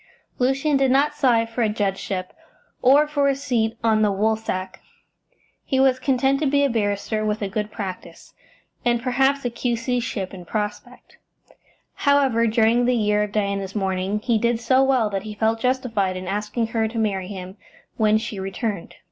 Lucian did not sigh for a judgeship, or for a seat on the Woolsack; he was content to be a barrister with a good practice, and perhaps a Q.C. ship in prospect. However, during the year of Diana's mourning he did so well that he felt justified in asking her to marry him when she returned.